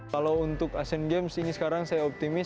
kalau untuk asian games ini sekarang saya optimis